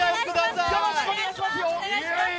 よろしくお願いしますよ！